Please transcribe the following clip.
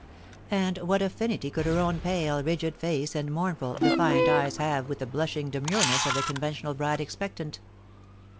And what affinity could her own pale, rigid face and mournful, defiant eyes have with the blushing demureness of the conventional bride expectant?